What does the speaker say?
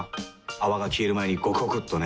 泡が消える前にゴクゴクっとね。